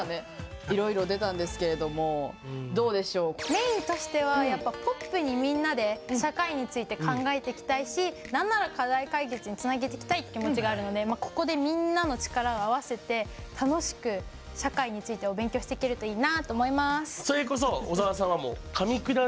メインとしてはポップにみんなで社会について考えていきたいし何なら課題解決につなげていきたいっていう気持ちがあるのでここでみんなの力を合わせて楽しく社会についてお勉強していけるといいなと思います！